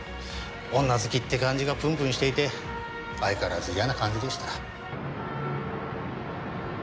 女好きって感じがプンプンしていて相変わらず嫌な感じでした。